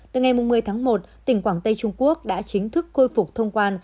từ ngày một mươi tháng một tỉnh quảng tây trung quốc đã chính thức khôi phục thông quan